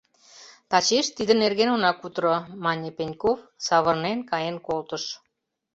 — Тачеш тиде нерген она кутыро, — мане Пеньков, савырнен каен колтыш.